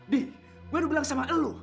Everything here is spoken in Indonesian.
di gue udah bilang sama elu